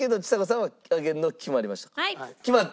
決まった。